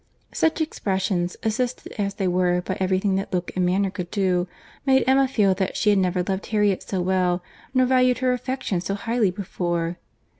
Such expressions, assisted as they were by every thing that look and manner could do, made Emma feel that she had never loved Harriet so well, nor valued her affection so highly before.